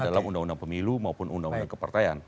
dalam undang undang pemilu maupun undang undang kepartaian